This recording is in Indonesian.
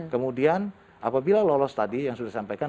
kemudian apabila lolos tadi yang sudah disampaikan